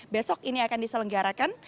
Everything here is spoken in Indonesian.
besok ini akan diselenggarakan